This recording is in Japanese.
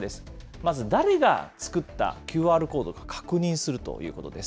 まず誰が作ったＱＲコードか確認するということです。